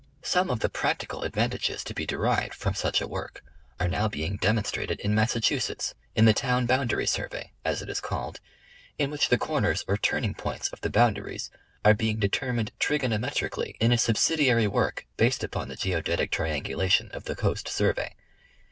Some of the practical advantages to be derived from such a work, are now being de monstrated in Massachusetts in the " Town boundary Survey," as it is called, in which the corners, or turning points of the boundaries are being determined trigonometrically in a subsi diary work based upon the Geodetic triangulation of the Coast Survey.